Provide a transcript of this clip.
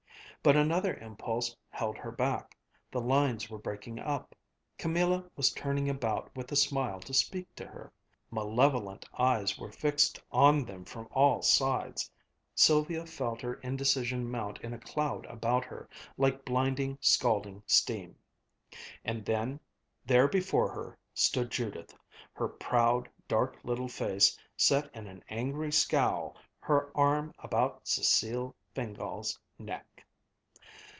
But another impulse held her back. The lines were breaking up. Camilla was turning about with a smile to speak to her. Malevolent eyes were fixed on them from all sides. Sylvia felt her indecision mount in a cloud about her, like blinding, scalding steam. And then, there before her, stood Judith, her proud dark little face set in an angry scowl, her arm about Cécile Fingál's neck.